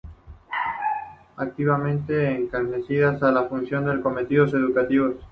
Actividades encaminadas a la difusión de contenidos educativos.